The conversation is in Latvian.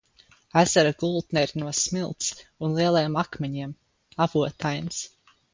Ezera gultne ir no smilts un lieliem akmeņiem, avotains.